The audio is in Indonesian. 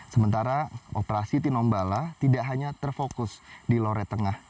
sementara operasi trumbala tidak hanya terfokus di lori tengah